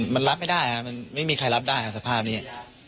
มันรับไม่ได้มันไม่มีใครรับได้ครับสภาพนี้